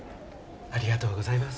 ありがとうございます。